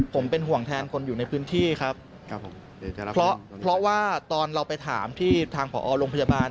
ผมเป็นห่วงแทนคนอยู่ในพื้นที่ครับครับผมเพราะว่าตอนเราไปถามที่ทางผอโรงพยาบาล